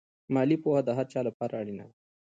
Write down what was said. مالي پوهه د هر چا لپاره اړینه ده.